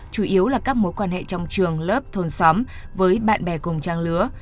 chủ yếu là các mối quan hệ trong trường lớp thôn xóm với bạn bè cùng trang lứa